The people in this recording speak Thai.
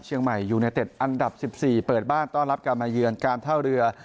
เชียงใหม่ยูเนเต็ดอันดับ๑๔เปิดบ้านต้อนรับการมาเยือนการท่าเรือ